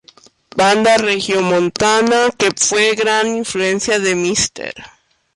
Banda regiomontana que fue gran influencia de Mr.